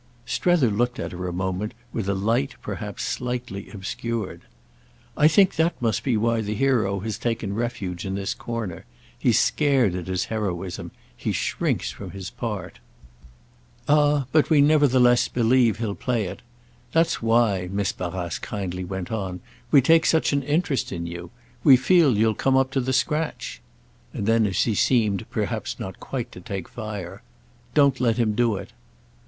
Strether looked at her a moment with a light perhaps slightly obscured. "I think that must be why the hero has taken refuge in this corner. He's scared at his heroism—he shrinks from his part." "Ah but we nevertheless believe he'll play it. That's why," Miss Barrace kindly went on, "we take such an interest in you. We feel you'll come up to the scratch." And then as he seemed perhaps not quite to take fire: "Don't let him do it."